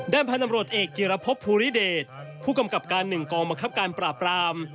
ด้านพาดำรวจเอกเจียรพพภูริเดชผู้กำกับการหนึ่งกองบังคับการปราบปราม